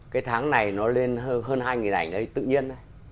cái tháng này nó lên hơn hai nghìn ảnh thì tự nhiên thôi